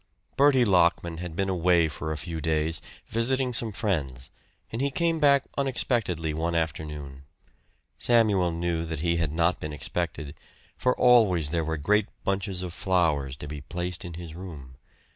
Bertie Lockman had been away for a few days, visiting some friends, and he came back unexpectedly one afternoon. Samuel knew that he had not been expected, for always there were great bunches of flowers to be placed in his room.